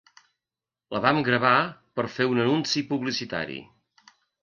La vam gravar per fer un anunci publicitari.